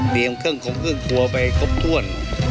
เตรียมเครื่องครัวไปกบถ้วน